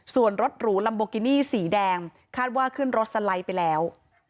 ส่วนรถหรูลัมโบกินี่สีแดงคาดว่าขึ้นรถสไลด์ไปแล้ว